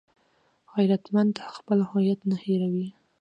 غیرتمند خپل هویت نه هېروي